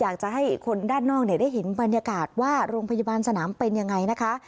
อยากจะให้คนด้านนอกได้เห็นบรรยากาศว่าโรงพยาบาลสนามเป็นยังไงนะคะ